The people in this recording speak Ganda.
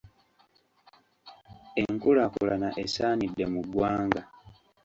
Enkulaakulana esaanidde mu ggwanga.